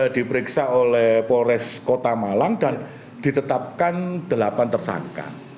diperiksa oleh polres kota malang dan ditetapkan delapan tersangka